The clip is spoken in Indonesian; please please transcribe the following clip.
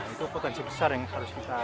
itu potensi besar yang harus kita